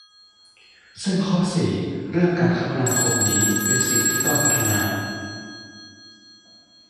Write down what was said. ซึ่งข้อ สี่ เรื่องการคมนาคมนี้เป็นสิ่งที่ต้องพัฒนา